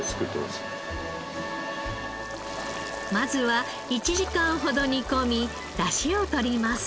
まずは１時間ほど煮込み出汁を取ります。